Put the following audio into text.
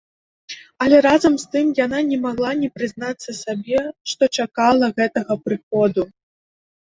Але разам з тым яна не магла не прызнацца сабе, што чакала гэтага прыходу.